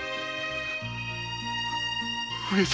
上様。